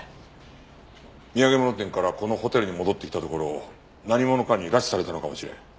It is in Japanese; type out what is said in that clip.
土産物店からこのホテルに戻ってきたところを何者かに拉致されたのかもしれん。